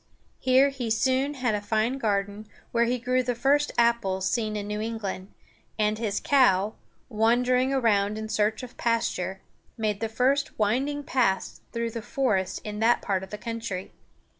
Here he soon had a fine garden, where he grew the first apples seen in New England; and his cow, wandering around in search of pasture, made the first winding paths through the forest in that part of the country.